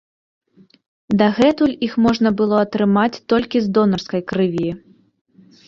Дагэтуль іх можна было атрымаць толькі з донарскай крыві.